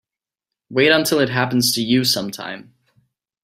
Wait until it happens to you sometime.